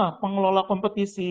yang mengelola kompetisi